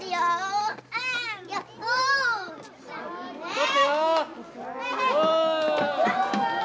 取ってよ。